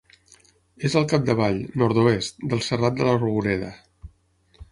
És al capdavall, nord-oest, del Serrat de la Roureda.